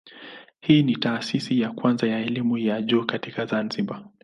Hii ni taasisi ya kwanza ya elimu ya juu katika Zanzibar.